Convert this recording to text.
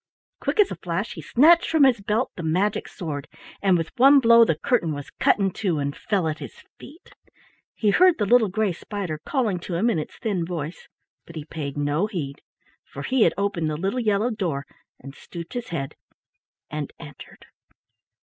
Quick as a flash he snatched from his belt the magic sword, and with one blow the curtain was cut in two, and fell at his feet. He heard the little gray spider calling to him in its thin voice, but he paid no heed, for he had opened the little yellow door and stooped his head and entered.